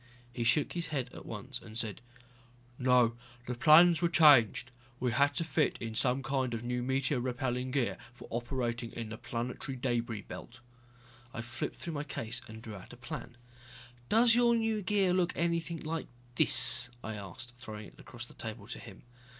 He shook his head at once and said, "No, the plans were changed. We had to fit in some kind of new meteor repelling gear for operating in the planetary debris belt." I flipped through my case and drew out a plan. "Does your new gear look anything like this?" I asked, throwing it across the table to him.